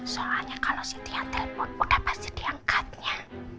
soalnya kalau si tia telepon udah pasti diangkatnya